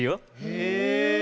へえ。